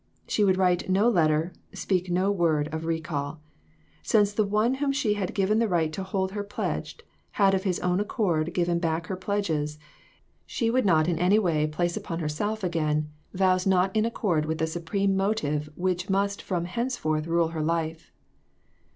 She would write no letter, speak no word of recall. Since the one whom she had given the right to hold her pledged, had of his own accord given back her pledges, she would not in any way place upon her COMPLICATIONS. 365 self again, vows not in accord with the supreme motive which must from henceforth rule her life.